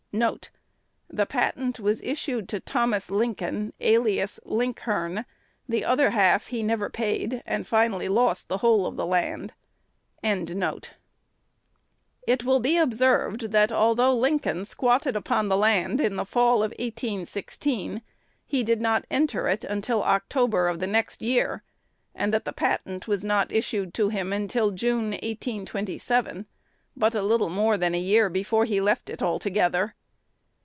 1 1 The patent was issued to Thomas Lincoln alias Linckhern the other half he never paid, and finally lost the whole of the land. It will be observed, that, although Lincoln squatted upon the land in the fall of 1816, he did not enter it until October of the next year; and that the patent was not issued to him until June, 1827, but a little more than a year before he left it altogether.